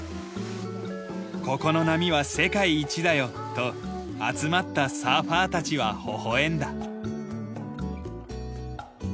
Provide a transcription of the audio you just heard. ここの波は世界一だよと集まったサーファーたちはほほ笑んだ。